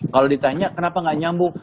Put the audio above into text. kalau ditanya kenapa nggak nyambung